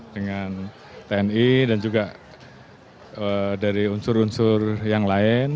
dengan tni dan juga dari unsur unsur yang lain